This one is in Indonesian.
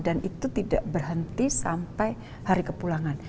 dan itu tidak berhenti sampai hari kepulangan